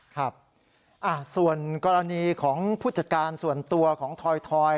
ครับส่วนกรณีของผู้จัดการส่วนตัวของทอย